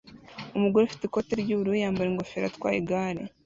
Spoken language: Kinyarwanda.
Umugore ufite ikoti ry'ubururu yambara ingofero atwaye igare